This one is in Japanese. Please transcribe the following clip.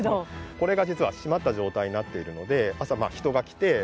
これが実は閉まった状態になっているので朝人が来てドームを開けて。